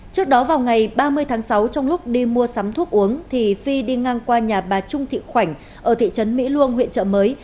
trước đó vào ngày ba mươi tháng sáu trong lúc đi mua sắm thuốc uống thì phi đi ngang qua nhà bà trung thị khoảnh ở thị trấn mỹ luông huyện trợ mới